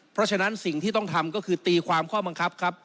เพราะฉะนั้นสิ่งที่ต้องทำก็คือตีความข้อบังคับครับ